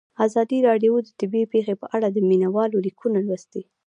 ازادي راډیو د طبیعي پېښې په اړه د مینه والو لیکونه لوستي.